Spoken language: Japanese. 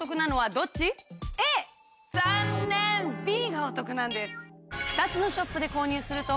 Ｂがお得なんです。